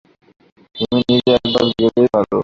তুমি নিজে একবার গেলেই পার।